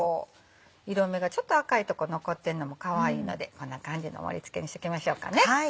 色目がちょっと赤いとこ残ってんのもかわいいのでこんな感じの盛り付けにしときましょうかね。